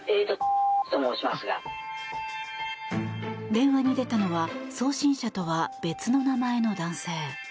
電話に出たのは送信者とは別の名前の男性。